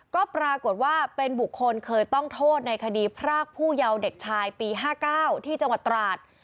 ก็ปรากฏว่าเป็นบุคคลเคยต้องโทษในคดีพรากผู้เยาว์เด็กชายปี๕๙ที่จังหวัดตราด